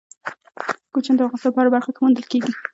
کوچیان د افغانستان په هره برخه کې موندل کېږي.